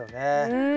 うん！